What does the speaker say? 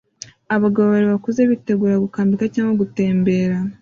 Abagabo babiri bakuze bitegura gukambika cyangwa gutembera